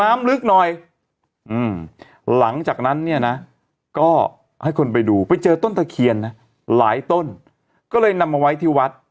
มันจะอิ่มมันอยู่ในบ้านคนอ่ะนี่ค่ะ